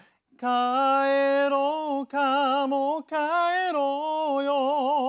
「帰ろうかもう帰ろうよ」